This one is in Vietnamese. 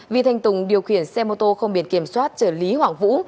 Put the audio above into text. vì thành tùng điều khiển xe mô tô không biệt kiểm soát trở lý hoàng vũ